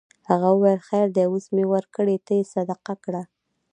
هغه وویل خیر دی اوس مې ورکړې ته یې صدقه کړه.